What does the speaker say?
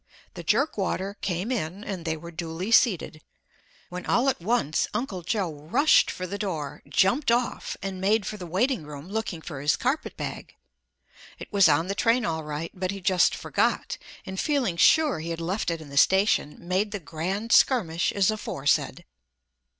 The Jerkwater came in and they were duly seated, when all at once Uncle Joe rushed for the door, jumped off and made for the waiting room looking for his carpetbag. It was on the train all right, but he just forgot, and feeling sure he had left it in the station made the grand skirmish as aforesaid.